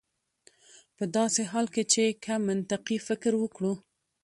په داسې حال کې چې که منطقي فکر وکړو